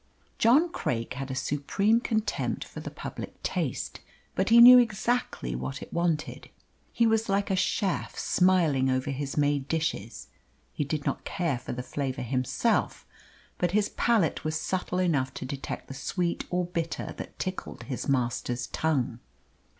John Craik had a supreme contempt for the public taste, but he knew exactly what it wanted. He was like a chef smiling over his made dishes. He did not care for the flavour himself, but his palate was subtle enough to detect the sweet or bitter that tickled his master's tongue.